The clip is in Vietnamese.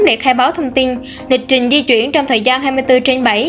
liệt khai báo thông tin lịch trình di chuyển trong thời gian hai mươi bốn trên bảy